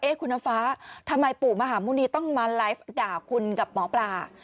คุณน้ำฟ้าทำไมปู่มหาหมุณีต้องมาไลฟ์ด่าคุณกับหมอปลา